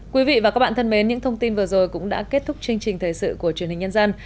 quý vị và các bạn thân mến những thông tin vừa rồi cũng đã kết thúc chương trình thời sự của truyền hình nhân dân